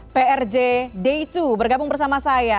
prj day dua bergabung bersama saya